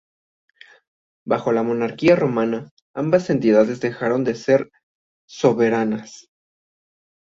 Bajo la monarquía romana ambas entidades dejaron de ser soberanas.